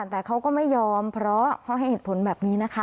แต่เขาก็ไม่ยอมเพราะเขาให้เหตุผลแบบนี้นะคะ